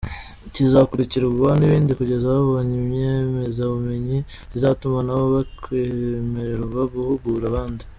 Kizakurikirwa n’ibindi kugeza babonye inyemezabumenyi zizatuma nabo bakwemererwa guhugura abandi.